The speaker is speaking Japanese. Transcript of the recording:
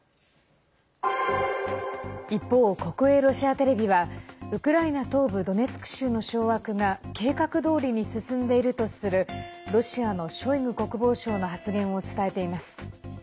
一方、国営ロシアテレビはウクライナ東部ドネツク州の掌握が計画どおりに進んでいるとするロシアのショイグ国防相の発言を伝えています。